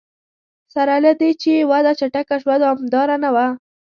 سره له دې چې وده چټکه شوه دوامداره نه وه.